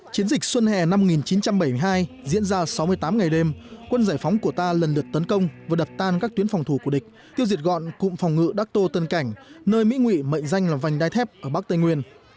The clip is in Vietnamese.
chiến dịch xuân hè năm một nghìn chín trăm bảy mươi hai diễn ra sáu mươi tám ngày đêm quân giải phóng của ta lần lượt tấn công và đập tan các tuyến phòng thủ của địch tiêu diệt gọn cụm phòng ngự đắc tô tân cảnh nơi mỹ ngụy mệnh danh là vành đai thép ở bắc tây nguyên